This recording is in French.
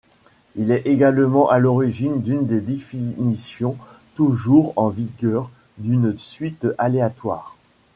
Il est également à l'origine d'une des définitions toujours en vigueur d'une suite aléatoire.